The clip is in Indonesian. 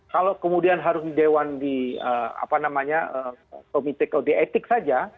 kalau kemudian harus di dewan di apa namanya di etik saja